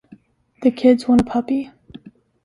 The kids want a puppy.